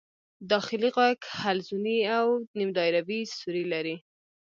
داخلي غوږ حلزوني او نیم دایروي سوري لري.